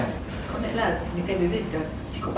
những cái đối diện đó chỉ có một cái điều gì cả